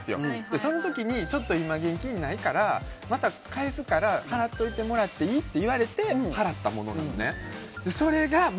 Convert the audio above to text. その時に、今現金ないからまた返すから払っといてもらっていい？って言われて払ったものなのね。